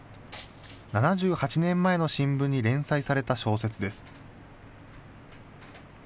７８年前の新聞に連載された小説です。